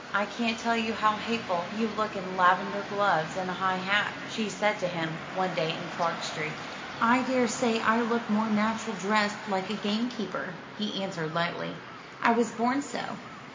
"I can't tell you how hateful you look in lavender gloves and a high hat," she said to him one day in Clarges Street. "I daresay I look more natural dressed like a gamekeeper," he answered lightly; "I was born so.